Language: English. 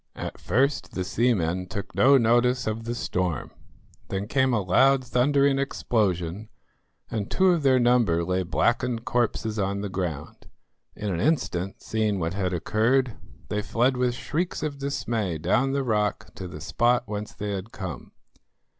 At first the seamen took no notice of the storm; then came a loud, thundering explosion, and two of their number lay blackened corpses on the ground. In an instant, seeing what had occurred, they fled with shrieks of dismay down the rock to the spot whence they had come.